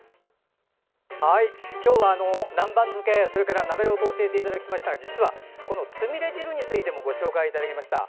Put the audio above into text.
今日は南蛮漬けとか、なめろうと教えていただいたんですが実はつみれ汁についてもご紹介いただきました。